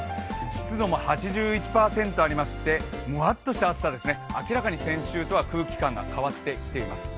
湿度も８１％ありましてむわっとしていて明らかに先週とは空気感が変わってきています。